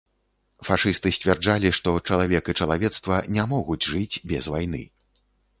Фашысты сцвярджалі, што чалавек і чалавецтва не могуць жыць без вайны.